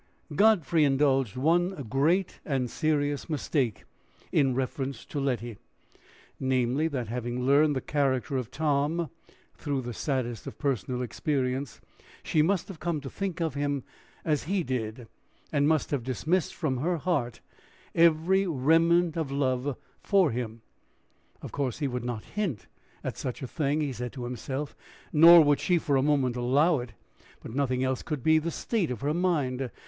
Godfrey indulged one great and serious mistake in reference to Letty, namely, that, having learned the character of Tom through the saddest of personal experience, she must have come to think of him as he did, and must have dismissed from her heart every remnant of love for him. Of course, he would not hint at such a thing, he said to himself, nor would she for a moment allow it, but nothing else could be the state of her mind!